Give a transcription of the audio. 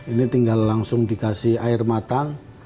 ini tinggal langsung dikasih air mata